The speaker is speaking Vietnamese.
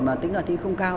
mà tính khả thi không cao